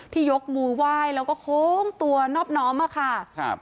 ที่ยกมือไหว้แล้วก็โค้งตัวนอบมาค่ะ